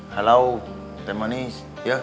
halo teh manis